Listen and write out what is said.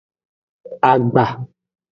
Agba.